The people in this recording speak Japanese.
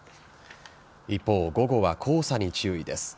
一方、午後は黄砂に注意です。